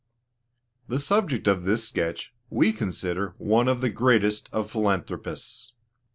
The subject of this sketch we consider one of the greatest of philanthropists.